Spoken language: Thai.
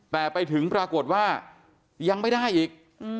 แต่ไปถึงปรากฏว่ายังไม่ได้อีก